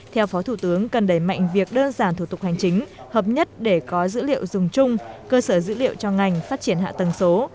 theo phó thủ tướng cần đẩy mạnh việc đơn giản thủ tục hành chính hợp nhất để có dữ liệu dùng chung cơ sở dữ liệu cho ngành phát triển hạ tầng số